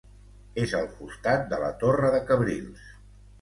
És al costat de la Torre de Cabrils.